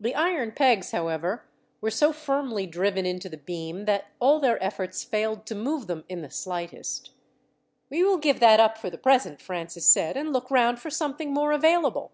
The iron pegs, however, were so firmly driven into the beam, that all their efforts failed to move them in the slightest. "We will give that up for the present," Francis said, "and look round for something more available."